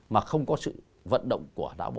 mà không có sự vận động của đạo bộ